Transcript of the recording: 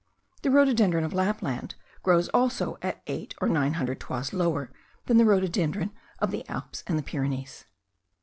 The rhododendron of Lapland grows also at eight or nine hundred toises lower than the rhododendron of the Alps and the Pyrenees.